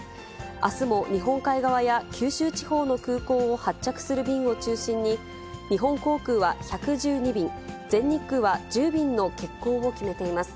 あすも日本海側や九州地方の空港を発着する便を中心に、日本航空は１１２便、全日空は１０便の欠航を決めています。